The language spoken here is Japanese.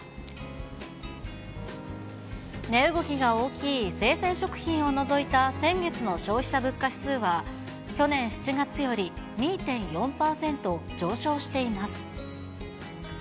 値動きが大きい生鮮食品を除いた先月の消費者物価指数は、去年７月より２．４％上昇しています。